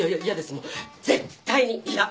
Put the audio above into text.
もう絶対に嫌っ！